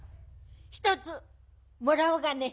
１つもらおうかね。